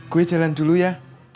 gue jalan dulu ya